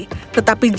tapi jim tidak percaya